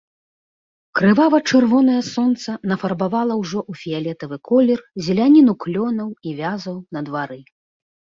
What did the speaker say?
Крывава-чырвонае сонца нафарбавала ўжо ў фіялетавы колер зеляніну клёнаў і вязаў на двары.